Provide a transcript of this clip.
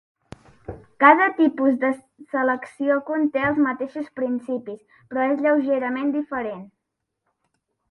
Cada tipus de selecció conté els mateixos principis, però és lleugerament diferent.